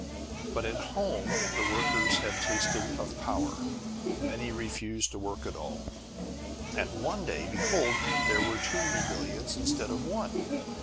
But at home the workers had tasted of power. Many refused to work at all; and one day, behold, there were two rebellions instead of one!